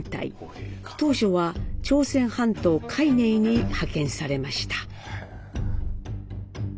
当初は朝鮮半島會寧に派遣されました。